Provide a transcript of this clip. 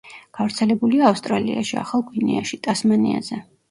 გავრცელებულია ავსტრალიაში, ახალ გვინეაში, ტასმანიაზე.